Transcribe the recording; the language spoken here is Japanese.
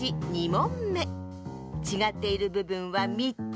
もんめちがっているぶぶんは３つ。